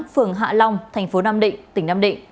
phường hạ long thành phố nam định tỉnh nam định